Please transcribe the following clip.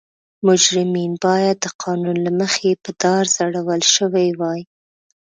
مجرمین باید د قانون له مخې په دار ځړول شوي وای.